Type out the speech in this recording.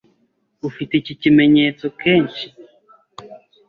Ufite iki kimenyetso kenshi?